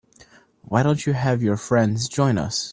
Why don't you have your friends join us?